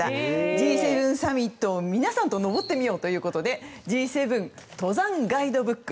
Ｇ７サミットを皆さんと登ってみようということで「Ｇ７登山ガイドブック」。